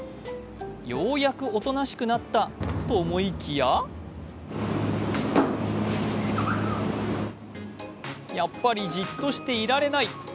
ようやくおとなしくなったと思いきややっぱり、じっとしていられない。